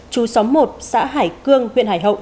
chú xóm một xã hải cương huyện hải hậu